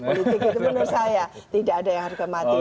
politik itu menurut saya tidak ada yang harga mati